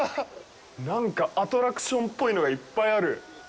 なんかアトラクションっぽいのがいっぱいある。